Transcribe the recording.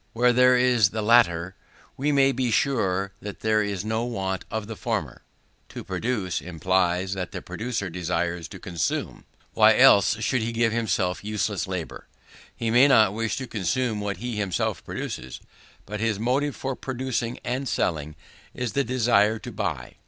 Where there is the latter, we may be sure that there is no want of the former. To produce, implies that the producer desires to consume; why else should he give himself useless labour? He may not wish to consume what he himself produces, but his motive for producing and selling is the desire to buy.